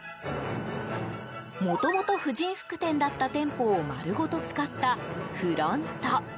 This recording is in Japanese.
もともと婦人服店だった店舗をまるごと使ったフロント。